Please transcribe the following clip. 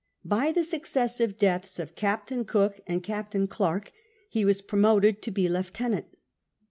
By the successive deaths of Captain Cook and Captain Clerke he was promoted to be lieutenant.